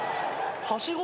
はしご